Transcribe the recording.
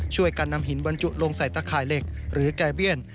ช่วยกันนำหินบรรจุลงใส่ตะข่ายเหล็กหรือแกเบี้ยน